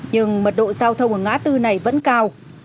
nhưng mật độ giao thông ở ngã tư này vẫn cao